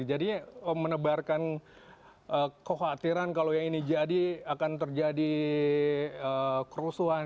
jadi menebarkan kekhawatiran kalau yang ini jadi akan terjadi kerusuhan